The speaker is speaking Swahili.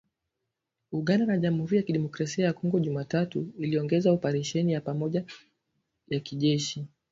Uganda na Jamhuri ya Kidemokrasi ya Kongo Jumatano ziliongeza operesheni ya pamoja ya kijeshi